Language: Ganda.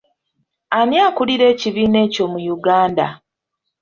Ani akulira ekibiina ekyo mu Uganda?